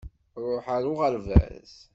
Ṛuḥ ar uɣerbaz!